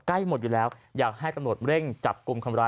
ใกล้หมดอยู่แล้วอยากให้ตำรวจเร่งจับกลุ่มคนร้าย